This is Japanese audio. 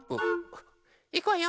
いくわよ！